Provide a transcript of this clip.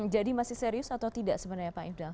jadi masih serius atau tidak sebenarnya pak ibn dal